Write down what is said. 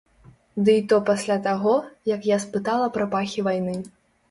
Дый то пасля таго, як я спытала пра пахі вайны.